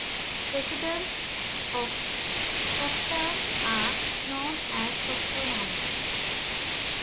Residents of Crofton are known as Croftonites.